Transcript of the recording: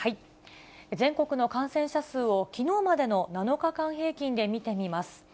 全国の感染者数をきのうまでの７日間平均で見てみます。